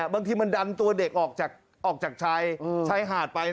บางทีมันดันตัวเด็กออกจากชายชายหาดไป